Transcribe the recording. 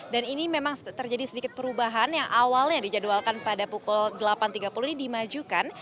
dan ini memang terjadi sedikit perubahan yang awalnya dijadwalkan pada pukul delapan tiga puluh ini dimajukan